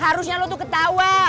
harusnya lo tuh ketawa